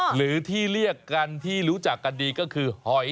หรือที่เรียกกันที่รู้จักกันดีก็คือหอย